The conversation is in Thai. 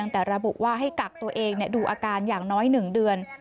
แต่ระบุว่าให้กักตัวเองดูอาการอย่างน้อย๑เดือน